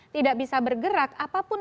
tidak bisa bergerak apapun